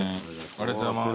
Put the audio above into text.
ありがとうございます。